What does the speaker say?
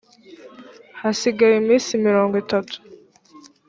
hasigaye iminsi mirongo itatu